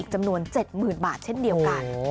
จนเจ็ดหมื่นบาทเช่นเดียวกัน